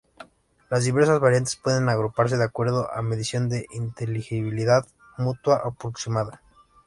Las diversas variantes pueden agruparse de acuerdo a mediciones de inteligibilidad mutua aproximada.